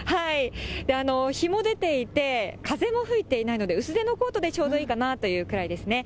日も出ていて、風も吹いていないので、薄手のコートでちょうどいいかなというぐらいですね。